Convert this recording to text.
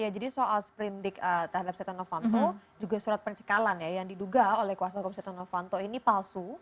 jadi soal seprindik terhadap setan novanto juga surat percikalan yang diduga oleh kuasa hukum setan novanto ini palsu